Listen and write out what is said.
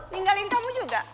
tinggalin kamu juga